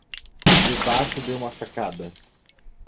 De baixo de uma sacada.